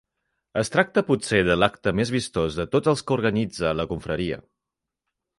Es tracta potser de l'acte més vistós de tots els que organitza la Confraria.